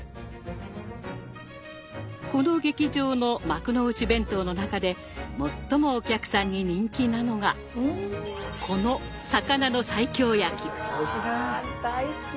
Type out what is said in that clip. この劇場の幕の内弁当の中で最もお客さんに人気なのがこの魚のわ大好き。